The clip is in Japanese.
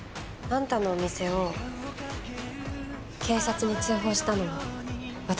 あんたのお店を警察に通報したのは私だよ。